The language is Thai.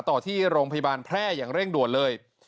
ต่อที่โรงพยาบาลแพร่อย่างเร่งด่วนเลย